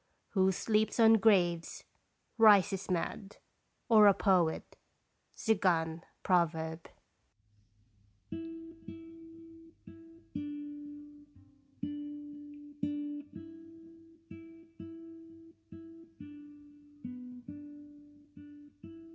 Who sleeps on graves, rises mad, or a poet. Tzigane Proverb.